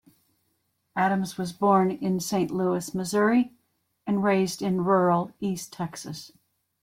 Adams was born in Saint Louis, Missouri, and raised in rural East Texas.